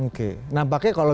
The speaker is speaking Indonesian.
oke nampaknya kalau